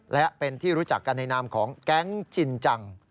และเป็นที่รู้จักกันในนามของแก๊งจินจัง